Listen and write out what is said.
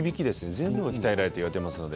全部が鍛えられると言われています。